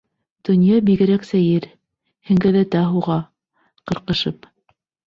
Донъя бигерәк сәйер, Һеңгәҙәтә һуға, ҡырҡышып.